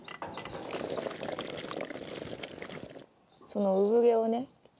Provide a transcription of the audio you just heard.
その産毛をね